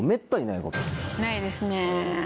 ないですね。